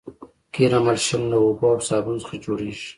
قیر املشن له اوبو او صابون څخه جوړیږي